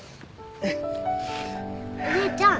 お姉ちゃん。